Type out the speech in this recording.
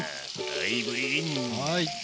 はい。